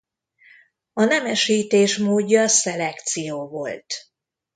A nemesítés módja szelekció volt.